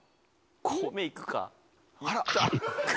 米いくか。